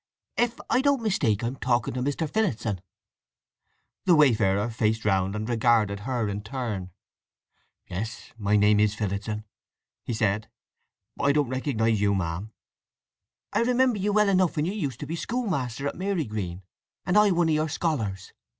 "If I don't mistake I am talking to Mr. Phillotson?" The wayfarer faced round and regarded her in turn. "Yes; my name is Phillotson," he said. "But I don't recognize you, ma'am." "I remember you well enough when you used to be schoolmaster out at Marygreen, and I one of your scholars.